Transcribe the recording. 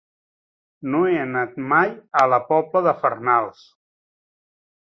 No he anat mai a la Pobla de Farnals.